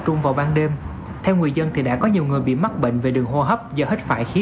trung vào ban đêm theo người dân thì đã có nhiều người bị mắc bệnh về đường hô hấp do hết phải khí